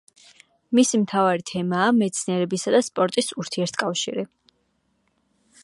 მისი მთავარი თემაა მეცნიერებისა და სპორტის ურთიერთკავშირი.